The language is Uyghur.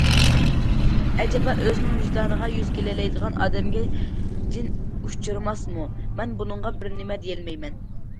ئەجەبا، ئۆزىنىڭ ۋىجدانىغا يۈز كېلەلەيدىغان ئادەمگە جىن ئۇچرىماسمۇ؟ مەن بۇنىڭغا بىر نېمە دېيەلمەيمەن.